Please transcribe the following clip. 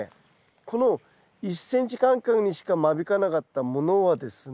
この１ｃｍ間隔にしか間引かなかったものはですね